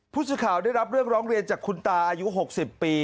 ผู้สื่อข่าวได้รับเรื่องร้องเรียนจากคุณตาอายุ๖๐ปี